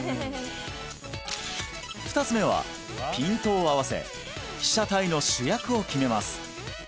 ２つ目はピントを合わせ被写体の主役を決めます